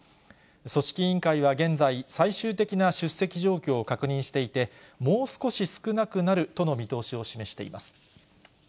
組織委員会は現在、最終的な出席状況を確認していて、もう少し少なくなるとの見通しを示しています。